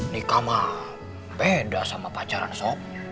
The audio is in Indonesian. nikah mah beda sama pacaran sob